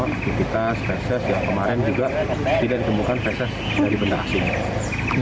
kondisitas fesis yang kemarin juga tidak ditemukan fesis dari benda asing